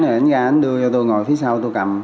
rồi ảnh ra ảnh đưa cho tui ngồi phía sau tui cầm